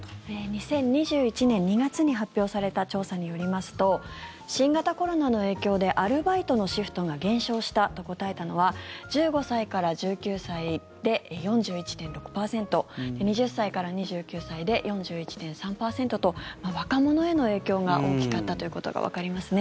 ２０２１年２月に発表された調査によりますと新型コロナの影響でアルバイトのシフトが減少したと答えたのは１５歳から１９歳で４１．６％２０歳から２９歳で４１．３％と若者への影響が大きかったということがわかりますね。